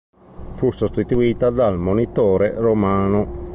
Fu sostituita dal "Monitore romano".